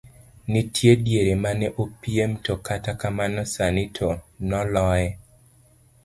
Nitie diere mane opiem to kata kamano sani to noloye.